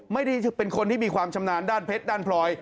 ไม่ได้เป็นคนที่มีความชำนาญด้านเพชรด้านพลอย